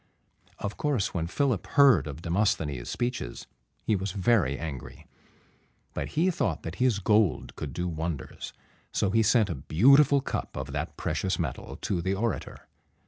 Of course, when Philip heard of Demosthenes' speeches, he was very angry; but he thought that his gold could do wonders, so he sent a beautiful cup of that precious metal to the orator.